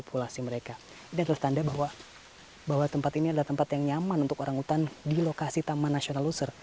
ini adalah tempat yang sangat nyaman untuk orangutan di lokasi taman nasional luser